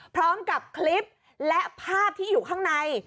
พร้อมกับคลิปและภาพที่อยู่ข้างใน